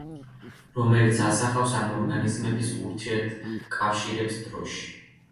რომელიც ასახავს ამ ორგანიზმების ურთიერთკავშირებს დროში.